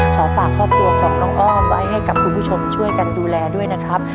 ขอฝากครอบครัวของน้องอ้อมไว้ให้กับคุณผู้ชมช่วยกันดูแลด้วยนะครับ